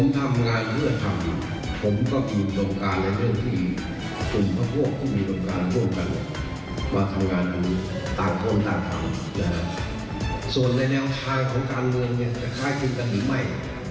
แล้วเราก็ดูมือต่อไป